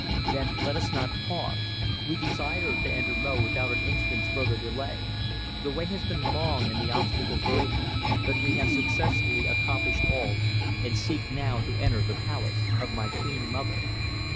"Then let us not pause. We desire to enter Mo without an instant's further delay. The way has been long and the obstacles great, but we have successfully accomplished all, and seek now to enter the palace of my queen mother."